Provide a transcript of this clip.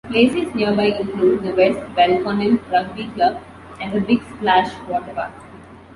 Places nearby include the West Belconnen Rugby Club and the "Big Splash" Waterpark.